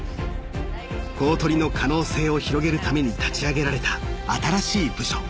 ［公取の可能性を広げるために立ち上げられた新しい部署］